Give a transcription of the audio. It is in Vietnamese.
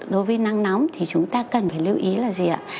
đối với nắng nóng thì chúng ta cần phải lưu ý là gì ạ